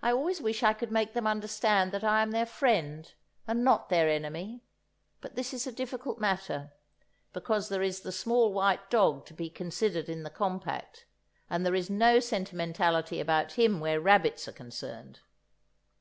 I always wish I could make them understand that I am their friend and not their enemy—but this is a difficult matter, because there is the small white dog to be considered in the compact, and there is no sentimentality about him where rabbits are concerned!